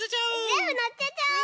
ぜんぶのせちゃおう！